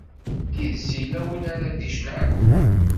D tidet yella win ara d-icelɛen?